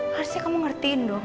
harusnya kamu ngertiin dong